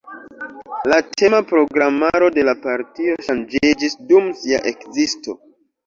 La tema programaro de la partio ŝanĝiĝis dum sia ekzisto.